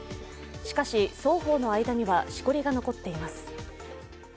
しかし、双方の間にはしこりが残っています。